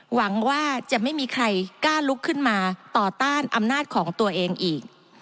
หวังว่าจะไม่มีใครกล้าลุกขึ้นมาต่อต้านอำนาจของตัวเองอีก